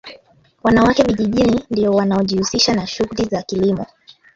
wanawake vijijini ndio wanaojihusisha na shughuli za kilimo